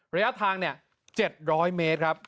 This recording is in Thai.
ระยะทาง๗๐๐เมตรครับ